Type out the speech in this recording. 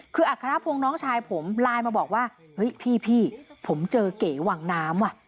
คืออัครพงศ์น้องชายผมไลน์มาบอกว่าเฮ้ยพี่ผมเจอเก๋วังน้ำว่ะ